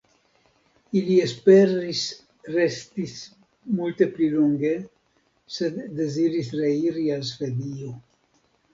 Ili esperis restis multe pli longe sed deziris reiri al Svedio.